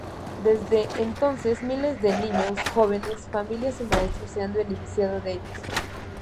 Desde entonces miles de niños, jóvenes, familias y maestros se han beneficiado de ellos.